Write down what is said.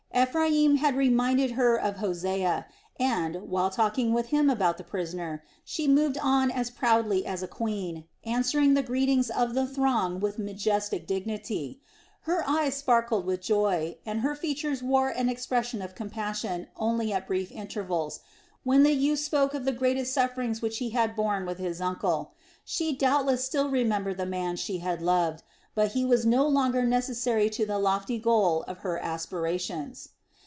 Ephraim had reminded her of Hosea and, while talking with him about the prisoner, she moved on as proudly as a queen, answering the greetings of the throng with majestic dignity. Her eyes sparkled with joy, and her features wore an expression of compassion only at brief intervals, when the youth spoke of the greatest sufferings which he had borne with his uncle. She doubtless still remembered the man she had loved, but he was no longer necessary to the lofty goal of her aspirations.